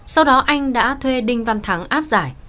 sau đó anh đã thuê đinh văn thắng áp giải